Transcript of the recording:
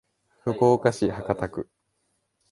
福岡市博多区